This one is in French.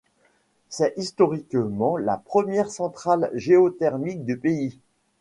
C'est historiquement la première centrale géothermique du pays.